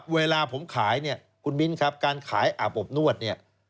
เวลาผมขายเนี่ยคุณมิ้นครับการขายอาบอบนวดเนี่ย